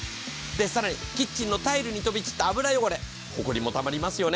更にキッチンのタイルに飛んだ油汚れ、ほこりもたまりますよね。